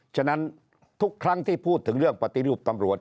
ฉะนั้นทุกครั้งที่พูดถึงเรื่องปฏิรูปตำรวจ